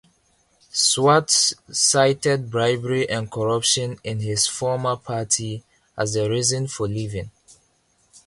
Swartz cited bribery and corruption in his former party as the reason for leaving.